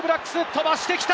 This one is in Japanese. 飛ばしてきた！